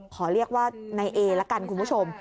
ขอเรียกว่านายเอละกันคุณผู้ชม